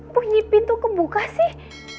punyi pintu kebuka sih